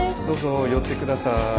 どうぞ寄ってください。